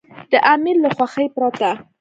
د امیر له خوښې پرته.